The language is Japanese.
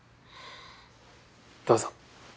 どうぞ。